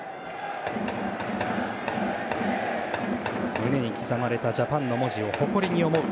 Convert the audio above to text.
胸に刻まれたジャパンの文字を誇りに思う。